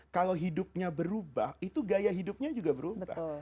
kalau hidupnya berubah itu gaya hidupnya juga berubah